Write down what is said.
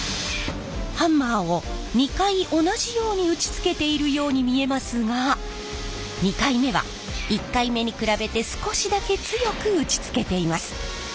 ハンマーを２回同じように打ちつけているように見えますが２回目は１回目に比べて少しだけ強く打ちつけています。